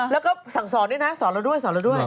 แล้วก็สั่งสอนด้วยนะสอนเราด้วย